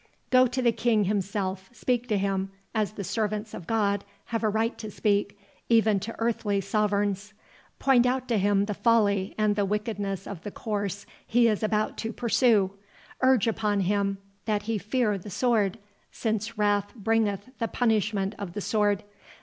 Go to the King himself, speak to him, as the servants of God have a right to speak, even to earthly sovereigns. Point out to him the folly and the wickedness of the course he is about to pursue—urge upon him, that he fear the sword, since wrath bringeth the punishment of the sword.